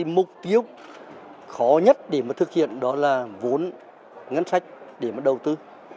mục tiêu khó nhất để thực hiện đó là vốn ngân sách để đầu tư